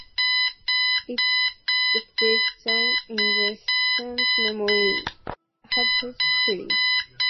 It's the first time in recent memory I've had those feelings...